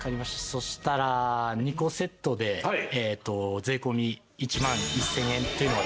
そしたら２個セットでえーっと税込１万１０００円というのは？